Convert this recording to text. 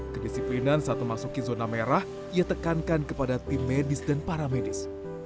kedisiplinan saat memasuki zona merah ia tekankan kepada tim medis dan para medis